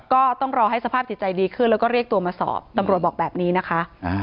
ก็ต้องรอให้สภาพจิตใจดีขึ้นแล้วก็เรียกตัวมาสอบตำรวจบอกแบบนี้นะคะ